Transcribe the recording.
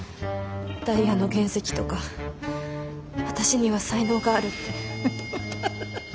ダイヤの原石とか私には才能があるって。